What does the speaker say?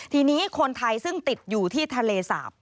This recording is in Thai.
ทีนี้คนไทยซึ่งติดอยู่ที่ทะเลสาป